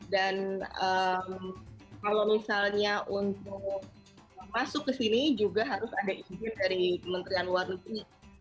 dan kalau misalnya untuk masuk ke sini juga harus ada izin dari kementerian warna kini